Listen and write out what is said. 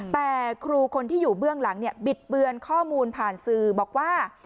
แต่ครูคนที่อยู่เบื้องหลังเนี่ยบิดเบือนข้อมูลผ่านสื่อบอกว่า